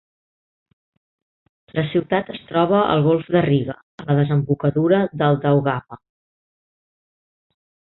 La ciutat es troba al golf de Riga, al desembocadura del Daugava.